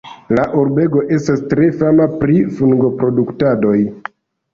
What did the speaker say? La urbego estas tre fama pri fungoproduktadoj.